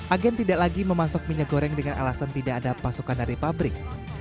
agen tidak lagi memasok minyak goreng dengan alasan tidak ada pasokan dari pabrik